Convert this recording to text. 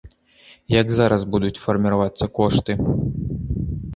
Як зараз будуць фарміравацца кошты?